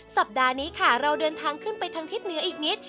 สัปดาห์นี้ค่ะเราเดินทางขึ้นไปทางทิศเหนืออีกนิด